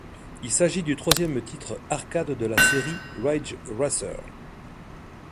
Il s'agit du troisième titre arcade de la série Ridge Racer.